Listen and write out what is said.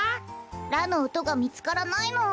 ラのおとがみつからないの。